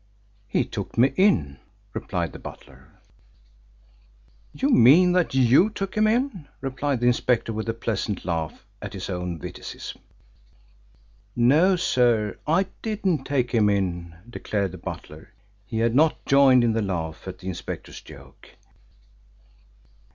"He took me in," replied the butler. "You mean that you took him in," replied the inspector, with a pleasant laugh at his own witticism. "No, sir, I didn't take him in," declared the butler. He had not joined in the laugh at the inspector's joke.